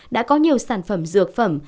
đã có nhiều sản phẩm dược phẩm